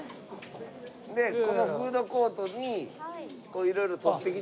でこのフードコートに色々取ってきて。